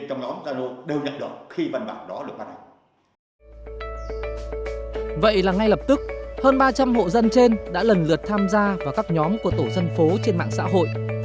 ông thúy đã ngay lập tức nảy ra sang kiến thành lập các hội nhóm trên mạng xã hội